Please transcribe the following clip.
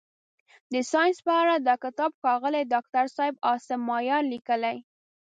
د ساینس په اړه دا کتاب ښاغلي داکتر صاحب عاصم مایار لیکلی.